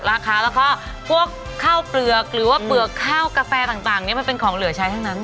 แล้วก็พวกข้าวเปลือกหรือว่าเปลือกข้าวกาแฟต่างนี้มันเป็นของเหลือใช้ทั้งนั้น